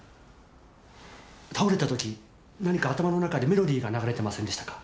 倒れたとき何か頭の中でメロディーが流れてませんでしたか？